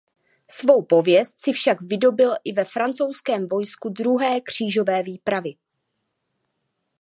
Svou pověst si však vydobyl i ve francouzském vojsku druhé křížové výpravy.